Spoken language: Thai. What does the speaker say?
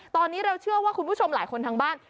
ตอนนี้เราเชื่อว่าคุณผู้ชมหลายคนทางบ้าน